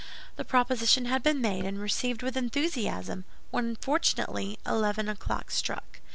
The proposition had been made, and received with enthusiasm, when fortunately eleven o'clock struck.